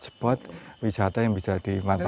spot wisata yang bisa dimanfaatkan